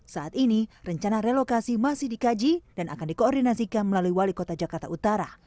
saat ini rencana relokasi masih dikaji dan akan dikoordinasikan melalui wali kota jakarta utara